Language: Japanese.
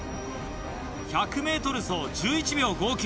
１００ｍ走１１秒５９。